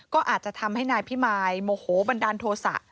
ก็อาจจะทำให้นายพิมายโมโหบันดาลโทษะ